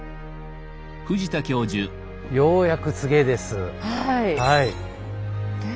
ようやく柘植です。